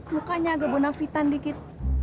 mukanya agak bonafitan dikit